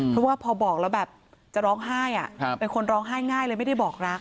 เพราะว่าพอบอกแล้วแบบจะร้องไห้เป็นคนร้องไห้ง่ายเลยไม่ได้บอกรัก